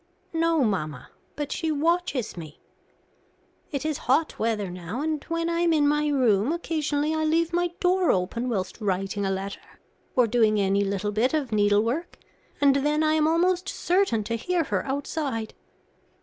"No, mamma, but she watches me. It is hot weather now, and when I am in my room, occasionally, I leave my door open whilst writing a letter, or doing any little bit of needlework, and then I am almost certain to hear her outside.